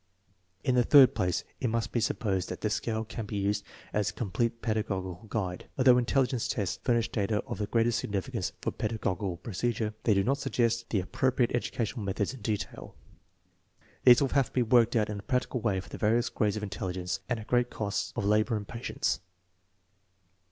1 In the third place, it must not be supposed that the scale can be used as a complete pedagogical guide. Although intelligence tests furnish data of the greatest significance for pedagogical procedure, they do not suggest the appro priate educational methods in detail. These will have to 1 See p. 17. 50 THE MEASUREMENT OF INTELLIGENCE be worked out in a practical way for the various grades of intelligence, and at great cost of labor and patience.